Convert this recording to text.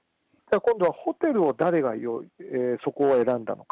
今度はホテルが誰が用意し、そこを選んだのか。